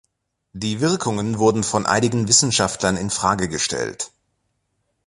Die Wirkungen wurden von einigen Wissenschaftlern infrage gestellt.